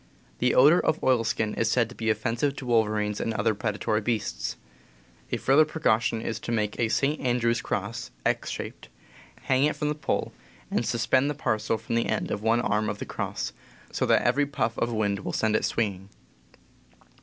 The odor of oilskin is said to be offensive to wolverines and other predatory beasts. A further precaution is to make a St. Andrew's cross (X shaped), hang it from the pole, and suspend the parcel from the end of one arm of the cross, so that every puff of wind will set it swinging.